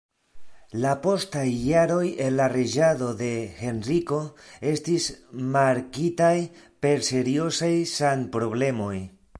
La postaj jaroj en la reĝado de Henriko estis markitaj per seriozaj sanproblemoj.